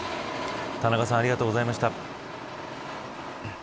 田中さんありがとうございました。